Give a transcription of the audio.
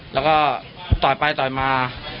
แล้วก็ต่อยไปต่อยมา